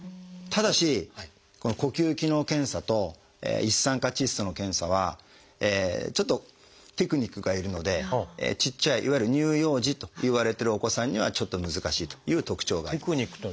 ただし呼吸機能検査と一酸化窒素の検査はちょっとテクニックが要るのでちっちゃいいわゆる乳幼児といわれてるお子さんにはちょっと難しいという特徴があります。